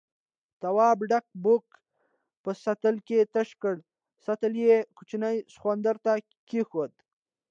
تواب ډکه بوکه په سطل کې تشه کړه، سطل يې کوچني سخوندر ته کېښود.